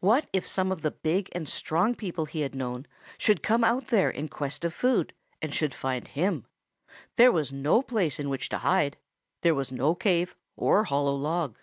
What if some of the big and strong people he had known should come out there in quest of food and should find him? There was no place in which to hide. There was no cave or hollow log.